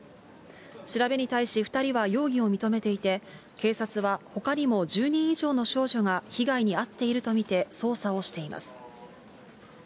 調べに対し、２人は容疑を認めていて、警察はほかにも１０人以上の少女が被害に遭っていると見て、捜査をしています。